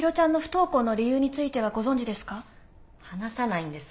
話さないんです